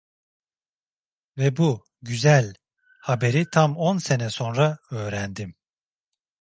Ve bu "güzel" haberi tam on sene sonra öğrendim.